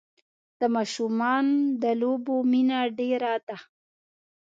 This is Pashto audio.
د ماشومان د لوبو مینه ډېره ده.